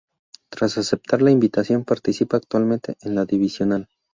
Tras aceptar la invitación, participa actualmente en la divisional.